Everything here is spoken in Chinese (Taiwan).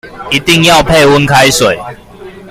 一定要配溫開水